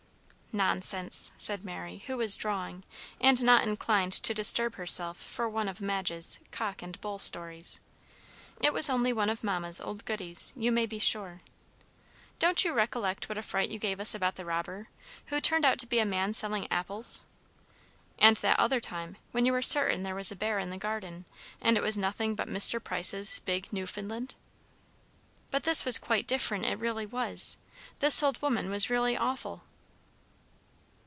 "Nonsense!" said Mary, who was drawing, and not inclined to disturb herself for one of Madge's "cock and bull" stories. "It was only one of Mamma's old goodies, you may be sure. Don't you recollect what a fright you gave us about the robber, who turned out to be a man selling apples; and that other time, when you were certain there was a bear in the garden, and it was nothing but Mr. Price's big Newfoundland?" "But this was quite different; it really was. This old woman was really awful."